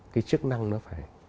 cái chức năng nó phải